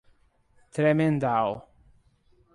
Tremedal